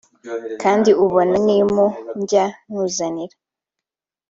kandi ubona n’impu njya nkuzanira